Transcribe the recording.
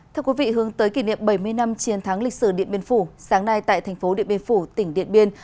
thưa quý vị hướng tới kỷ niệm bảy mươi năm chiến thắng lịch sử điện biên phủ sáng nay tại thành phố điện biên phủ tỉnh điện biên